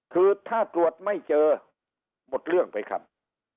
คือถ้าตรวจไม่เจอหมดเรื่องไปครับ